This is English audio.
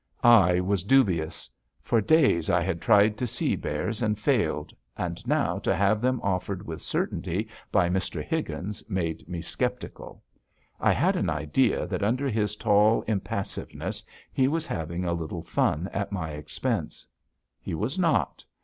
I was dubious. For days I had tried to see bears and failed, and now to have them offered with certainty by Mr. Higgins made me skeptical. I had an idea that under his tall impassiveness he was having a little fun at my expense. He was not.